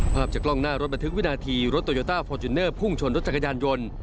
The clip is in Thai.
ภาพจากกล้องหน้ารถบันทึกวินาทีรถโตโยต้าฟอร์จูเนอร์พุ่งชนรถจักรยานยนต์